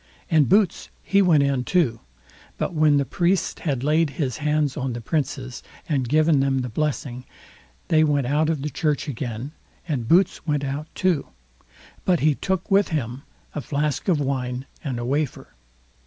And Boots he went in too; but when the priest had laid his hands on the Princes, and given them the blessing, they went out of the church again, and Boots went out too; but he took with him a flask of wine and a wafer.